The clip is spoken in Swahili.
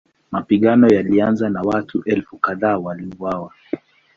Mapigano yalianza na watu elfu kadhaa waliuawa.